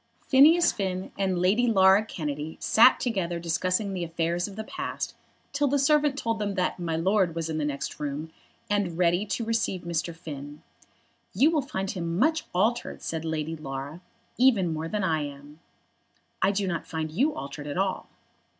Phineas Finn and Lady Laura Kennedy sat together discussing the affairs of the past till the servant told them that "My Lord" was in the next room, and ready to receive Mr. Finn. "You will find him much altered," said Lady Laura, "even more than I am." "I do not find you altered at all."